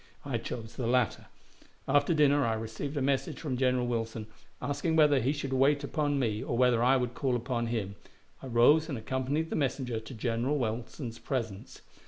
I chose the latter. After dinner I received a message from General Wilson, asking whether he should wait upon me, or whether I would call upon him. I rose and accompanied the messenger to General Wilson's presence.